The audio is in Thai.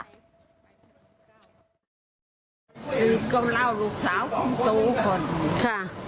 ก็เล่าลูกสาวคนโตฟัง